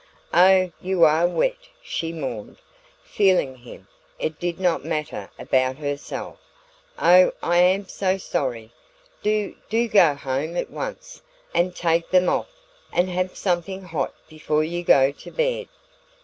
"Oh, you ARE wet," she mourned, feeling him it did not matter about herself; "oh, I am so sorry! Do do go home at once, and take them off, and have something hot before you go to bed."